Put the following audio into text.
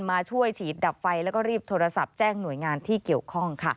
มาช่วยฉีดดับไฟแล้วก็รีบโทรศัพท์แจ้งหน่วยงานที่เกี่ยวข้อง